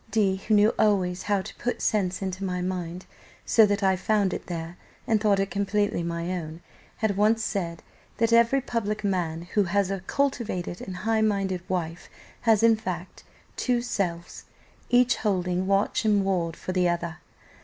D , who knew always how to put sense into my mind, so that I found it there, and thought it completely my own, had once said that 'every public man who has a cultivated and high minded wife, has in fact two selves, each holding watch and ward for the other.